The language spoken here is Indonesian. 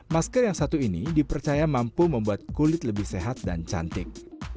masker yang satu ini dipercaya mampu membuat kulit lebih sehat dan cantik